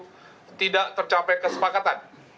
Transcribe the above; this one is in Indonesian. miluh tidak tercapai kesepakatan